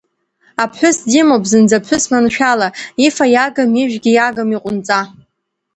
Аԥҳәыс димоуп, зынӡа аԥҳәыс маншәала, ифа иагым, ижәгьы иагым, иҟәынҵа…